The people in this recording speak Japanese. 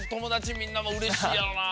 みんなもうれしいやろなあ。